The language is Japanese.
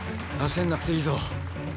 焦んなくていいぞ。